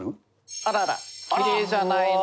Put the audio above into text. あらあらきれいじゃないの！